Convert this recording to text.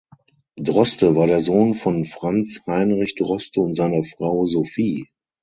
Droste war der Sohn von Franz Heinrich Droste und seiner Frau Sophie.